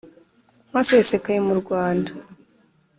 bwasesekaye mu rwanda,